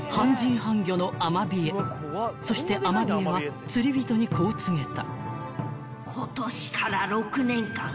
［そしてアマビエは釣り人にこう告げた］